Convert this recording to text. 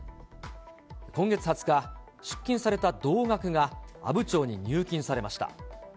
今月２０日、出金された同額が阿武町に入金されました。